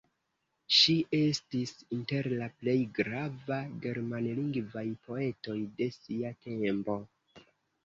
Ŝi estis inter la plej gravaj germanlingvaj poetoj de sia tempo.